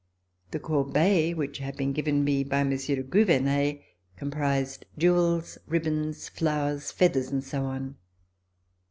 The corbeille, which had been given me by Monsieur de Gouvernet, com. prised jewels, ribbons, flowers, feathers and so on.